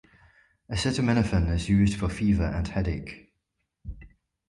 Acetaminophen is used for fever and headache.